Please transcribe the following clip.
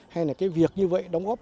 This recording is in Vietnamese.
hay là cái việc như vậy đóng góp